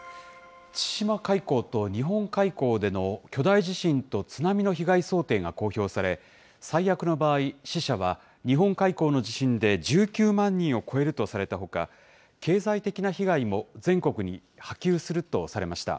千島海溝と日本海溝での巨大地震と津波の被害想定が公表され、最悪の場合、死者は日本海溝の地震で１９万人を超えるとされたほか、経済的な被害も全国に波及するとされました。